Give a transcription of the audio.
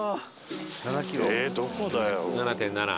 えっどこだよ。